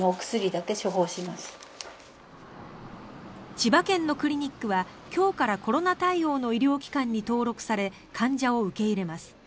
千葉県のクリニックは今日からコロナ対応の医療機関に登録され患者を受け入れます。